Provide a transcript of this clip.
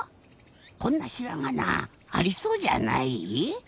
こんなひらがなありそうじゃない？